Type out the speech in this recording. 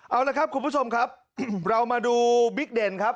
เอาละครับคุณผู้ชมครับเรามาดูบิ๊กเด่นครับ